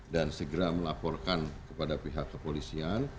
dan segera melaporkan kepada pihak kepolisian